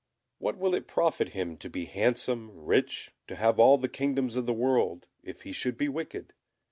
What will it profit him to be handsome, rich, to have all the kingdoms of the world, if he should be wicked?